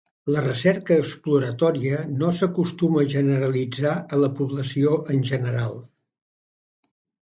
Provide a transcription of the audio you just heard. La recerca exploratòria no s'acostuma a generalitzar a la població en general.